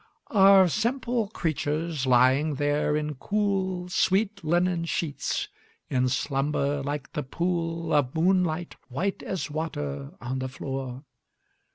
Are simple creatures lying there in cool Sweet linen sheets, in slumber like the pool Of moonlight white as water on the floor?